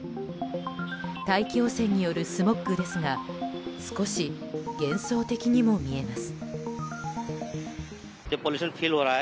大気汚染によるスモッグですが少し幻想的にも見えます。